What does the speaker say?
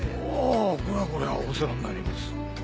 おおこれはこれはお世話になります。